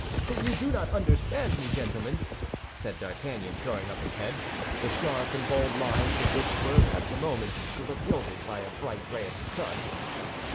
"You do not understand me, gentlemen," said D'Artagnan, throwing up his head, the sharp and bold lines of which were at the moment gilded by a bright ray of the sun.